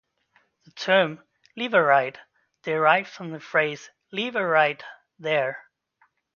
The term "leaverite" derives from the phrase "leave 'er right" there".